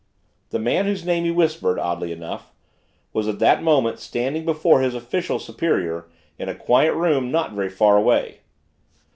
The man whose name he whispered, oddly enough, was at that moment standing before his official superior in a quiet room not very far away.